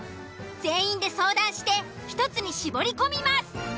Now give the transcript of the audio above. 全員で相談して１つに絞り込みます。